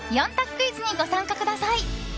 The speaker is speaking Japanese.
クイズにご参加ください。